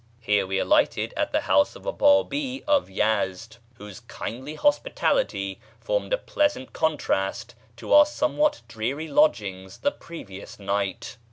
Here we alighted at the house of a Bábí of Yezd, whose kindly hospitality formed a pleasant contrast to our somewhat dreary lodgings the previous night.